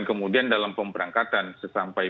kemudian dalam pemperangkatan sesampai